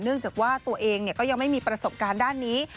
เนื่องจากว่าตัวเองเนี่ยก็ยังไม่มีประสบการณ์ด้านนี้